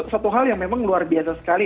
satu hal yang memang luar biasa sekali